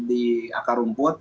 di akar rumput